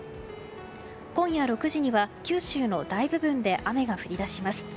今夜６時には九州の大部分で雨が降り出します。